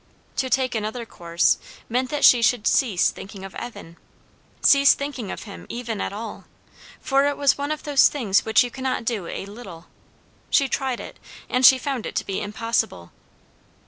To take another course, meant that she should cease thinking of Evan, cease thinking of him even at all; for it was one of those things which you cannot do a little. She tried it; and she found it to be impossible.